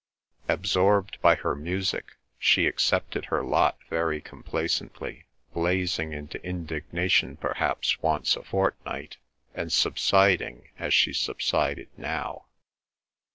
Absorbed by her music she accepted her lot very complacently, blazing into indignation perhaps once a fortnight, and subsiding as she subsided now.